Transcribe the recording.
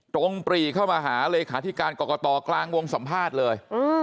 ปรีเข้ามาหาเลขาธิการกรกตกลางวงสัมภาษณ์เลย